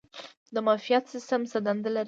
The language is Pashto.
د معافیت سیستم څه دنده لري؟